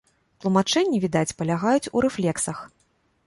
Тлумачэнні, відаць, палягаюць у рэфлексах.